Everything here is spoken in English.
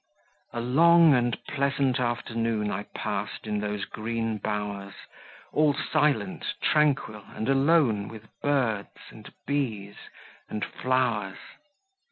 A long and pleasant afternoon I passed in those green bowers; All silent, tranquil, and alone With birds, and bees, and flowers.